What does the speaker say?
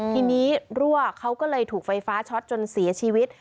ทีนี้รั่วเขาก็เลยถูกไฟฟ้าช็อตจนเสียชีวิต